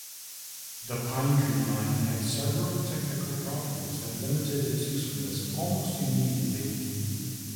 The Pinetree Line had several technical problems that limited its usefulness almost immediately.